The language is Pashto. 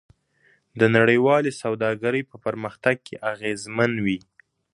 دا نړیوالې سوداګرۍ په پرمختګ کې اغیزمن وي.